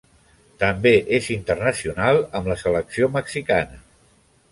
També és internacional amb la selecció mexicana.